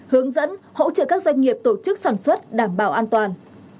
hướng dẫn hỗ trợ các doanh nghiệp tổ chức sản xuất đảm bảo an toàn